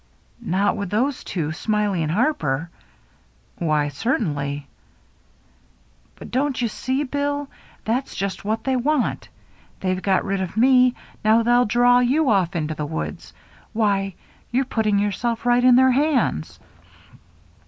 '* Not with those two. Smiley and Harper ?"" Why, certainly." " But don't you see. Bill ? That's just what they want. They've got rid of me — now they'll draw you off into the woods — why, you're putting yourself right in their hands